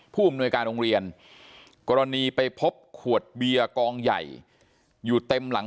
ผู้อำนวยการโรงเรียนกรณีไปพบขวดเบียร์กองใหญ่อยู่เต็มหลัง